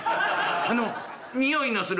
「あの臭いのする？」。